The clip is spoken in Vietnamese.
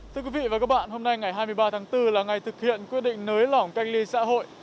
thưa quý vị và các bạn hôm nay ngày hai mươi ba tháng bốn là ngày thực hiện quyết định nới lỏng canh ly xã hội